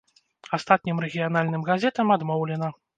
Астатнім рэгіянальным газетам адмоўлена.